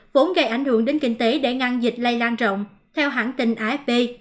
vốn gây ảnh hưởng đến kinh tế để ngăn dịch lây lan rộng theo hãng tình ifp